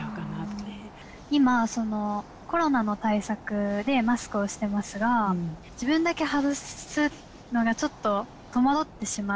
今コロナの対策でマスクをしてますが自分だけ外すのがちょっと戸惑ってしまうんですね。